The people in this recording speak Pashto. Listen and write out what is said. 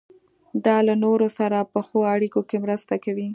دا له نورو سره په ښو اړیکو کې مرسته کوي.